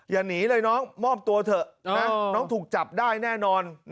อย่าหนีเลยน้องมอบตัวเถอะน้องถูกจับได้แน่นอน